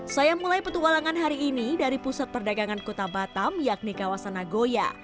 saya mulai petualangan hari ini dari pusat perdagangan kota batam yakni kawasan nagoya